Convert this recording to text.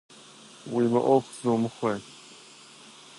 Уи мыӏуэху зумыхуэ!